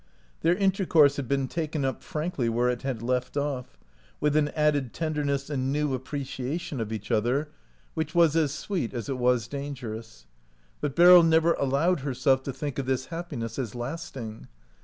Their intercourse had been taken up frankly where it had left off, with an added tender ness and new appreciation of each other i34 OUT OF BOHEMIA which was as sweet as it was dangerous. But Beryl never allowed herself to think of this happiness as lasting.